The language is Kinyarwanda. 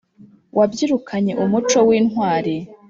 wabyirukanye umuco w’intwali